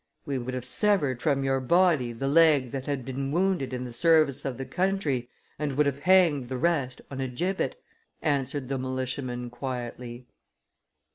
"We would have severed from your body the leg that had been wounded in the service of the country, and would have hanged the rest on a gibbet," answered the militiaman quietly.